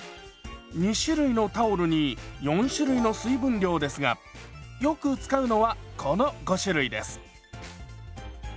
２種類のタオルに４種類の水分量ですがよく使うのはこの５種類です。